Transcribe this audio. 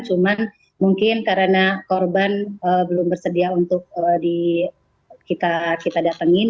cuman mungkin karena korban belum bersedia untuk kita datangin